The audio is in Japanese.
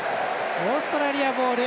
オーストラリアボール。